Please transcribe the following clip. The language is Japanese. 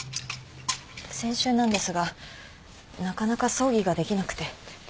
先週なんですがなかなか葬儀ができなくて。